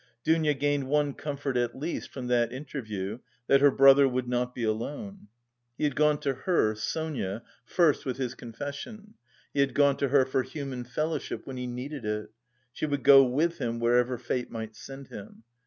Dounia gained one comfort at least from that interview, that her brother would not be alone. He had gone to her, Sonia, first with his confession; he had gone to her for human fellowship when he needed it; she would go with him wherever fate might send him.